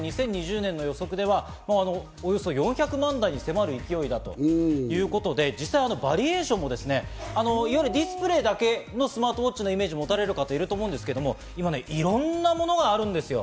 ２０２０年の予測では、およそ４００万台に迫る勢いだということで実際バリエーションもいわゆるディスプレイだけのスマートウォッチのイメージ、もたれる方がいると思うんですけど、いろんなものがあるんです。